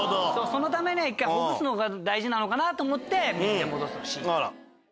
そのためには一回ほぐすのが大事なのかなと思って「水で戻す」のＣに。